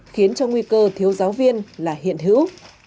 khiến cho nguy cơ thiếu giáo viên là hiện hữu